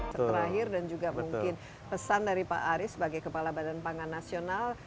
terakhir dan juga mungkin pesan dari pak aris sebagai kepala badan pangan nasional